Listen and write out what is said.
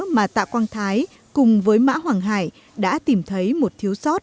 mà tạ quang thái cùng với mã hoàng hải đã tạo ra